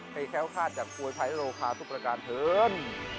ใครแค้วฆาตจากภูมิไทยและโลกภาพทุกประการเถิ้น